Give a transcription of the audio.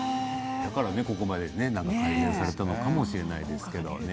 だから、ここまで改善されたのかもしれませんけれどもね。